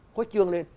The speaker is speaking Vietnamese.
khuếch chương lên